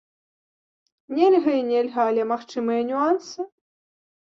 Нельга і нельга, але магчымыя нюансы!